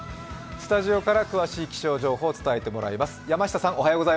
スタジオから詳しい気象情報を伝えてもらいます。